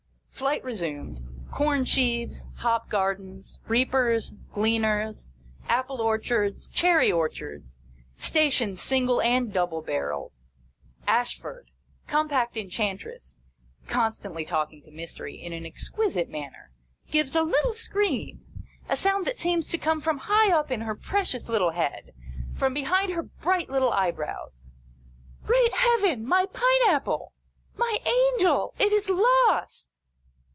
Flight resumed. Corn sheaves, hop gardens, reapers, gleaners, apple orchards, cherry orchards, Stations single and double barrelled, Ashford. Compact Enchantress (constantly talking to Mystery, in an exquisite manner) gives a little scream ; a sound that seems to come from high up in her precious little head ; from behind her bright little eyebrows. " Great Heaven, my pine apple ! My Angel ! It is lost